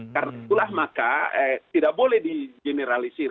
karena itulah maka tidak boleh digeneralisir